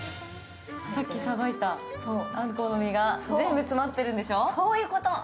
さっきさばいたあんこうの身が全部詰まってるんでしょ？